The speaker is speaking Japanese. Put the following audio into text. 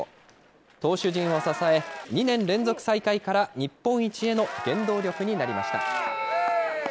投手陣を支え、２年連続最下位から日本一への原動力になりました。